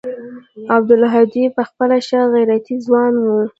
عبدالهادي پخپله ښه غيرتي ځوان و.